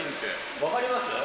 分かります？